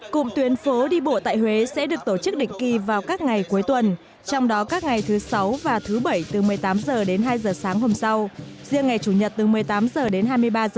cùng tuyến phố đi bộ tại huế sẽ được tổ chức định kỳ vào các ngày cuối tuần trong đó các ngày thứ sáu và thứ bảy từ một mươi tám h đến hai h sáng hôm sau riêng ngày chủ nhật từ một mươi tám h đến hai mươi ba h